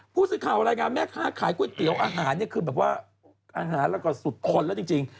ผู้สื่อข่าวรายงานแม่ค้าขายก๋วยเตี๋ยวอาหารเนี่ยคือแบบว่าอาหารแล้วก็สุดทนแล้วจริง